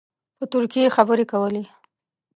په ترکي خبرې کولې.